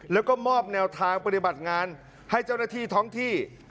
แล้วก็มอบแนวทางปฏิบัติงานให้เจ้าหน้าที่ท้องที่